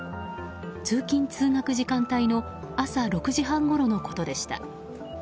通勤・通学時間帯の朝６時半ごろのことでした。